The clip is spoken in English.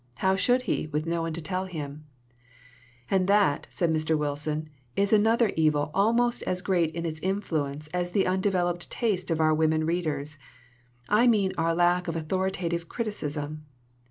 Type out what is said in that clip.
How should he, with no one to tell him ? "And that," said Mr. Wilson, "is another evil almost as great in its influence as the undeveloped taste of our women readers. I mean our lack of authoritative criticism.